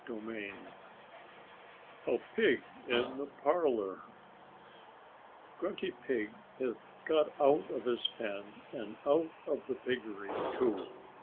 XXIV A PIG IN THE PARLOR Grunty Pig had got out of his pen and out of the piggery, too.